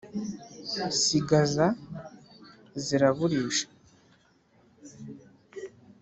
sigagaza ziraburisha.